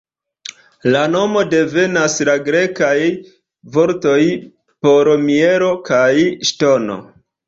La nomo devenas la grekaj vortoj por mielo kaj ŝtono.